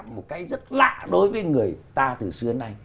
một cái rất lạ đối với người ta từ xưa nay